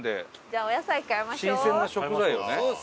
じゃあお野菜買いましょう。